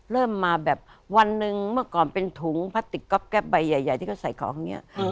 เริ่มมาแบบวันหนึ่งเมื่อก่อนเป็นถุงพลาสติกก๊อบแป๊บใบใหญ่ที่เขาใส่ของอย่างนี้